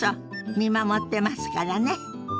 見守ってますからね。